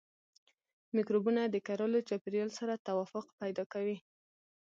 مکروبونه د کرلو چاپیریال سره توافق پیدا کوي.